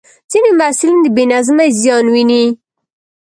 ځینې محصلین د بې نظمۍ زیان ویني.